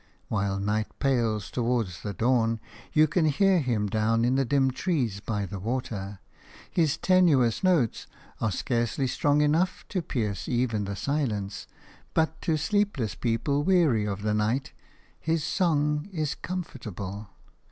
While night pales toward the dawn, you can hear him down in the dim trees by the water; his tenuous notes are scarcely strong enough to pierce even the silence, but to sleepless people weary of the night his song is comfortable.